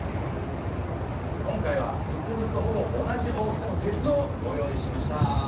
今回は実物とほぼ同じ大きさの鉄をご用意しました。